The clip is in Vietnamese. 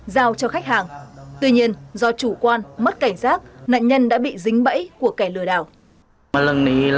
giao cho khách hàng tuy nhiên do chủ quan mất cảnh giác nạn nhân đã bị dính bẫy của kẻ lừa đảo